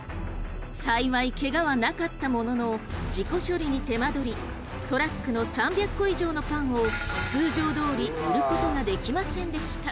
幸いけがはなかったものの事故処理に手間取りトラックの３００個以上のパンを通常どおり売ることができませんでした。